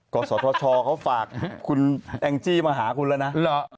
กศธชเขาฝากคุณแองจี้มาหาคุณแล้วนะ